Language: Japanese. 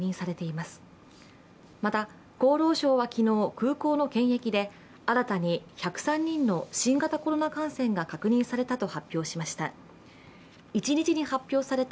また、厚労省は昨日、空港の検疫で新たに１０３人の新型コロナ感染が確認されたと発表しました。